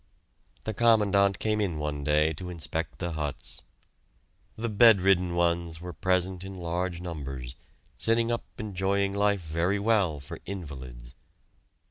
The Commandant came in one day to inspect the huts. The "bed ridden" ones were present in large numbers, sitting up enjoying life very well for "invalids."